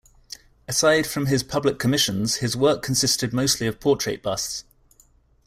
Aside from his public commissions, his work consisted mostly of portrait busts.